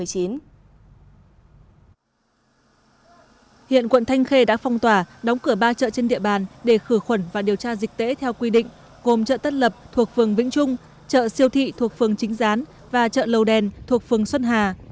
hiện quận thanh khê đã phong tỏa đóng cửa ba chợ trên địa bàn để khử khuẩn và điều tra dịch tễ theo quy định gồm chợ tất lập thuộc phường vĩnh trung chợ siêu thị thuộc phường chính gián và chợ lầu đèn thuộc phường xuân hà